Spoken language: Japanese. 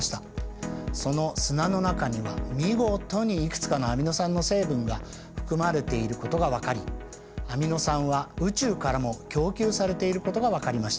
その砂の中には見事にいくつかのアミノ酸の成分が含まれていることが分かりアミノ酸は宇宙からも供給されていることが分かりました。